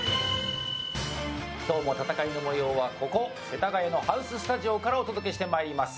今日も戦いの模様はここ世田谷のハウススタジオからお届けしてまいります。